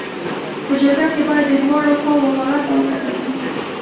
په جرګه کي باید د دواړو خواو حالت ته وکتل سي.